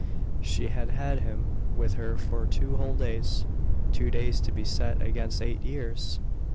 She had had him with her for two whole days two days to be set against eight years!